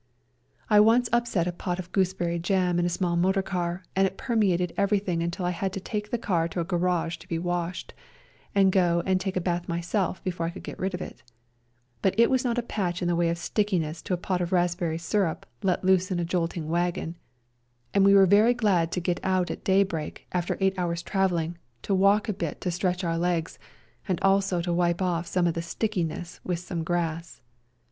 I once upset a pot of gooseberry jam in a small motor car, and it permeated every thing until I had to take the car to a garage to be washed, and go and take a bath myself before I could get rid of it; but it was not a patch in the way of stickiness to a pot of raspberry syrup let loose in a jolting wagon, and we were very A SERBIAN AMBULANCE 37 glad to get out at daybreak, after eight hours' travelling, to walk a bit to stretch our legs, and also to wipe off some of the stickiness with some grass.